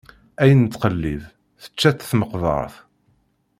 Ayen nettqellib, tečča-t tmeqbeṛt.